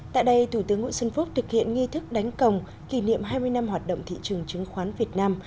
tại đây thủ tướng nguyễn xuân phúc thực hiện nghi thức đánh còng kỷ niệm hai mươi năm hoạt động thị trường chứng khoán việt nam